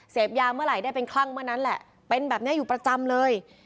เสพยาเมื่อไหร่ได้เป็นคลั่งเมื่อนั้นแหละเป็นแบบนี้อยู่ประจำเลย